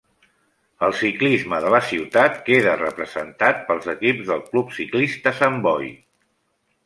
El ciclisme de la ciutat queda representat pels equips del Club Ciclista Sant Boi.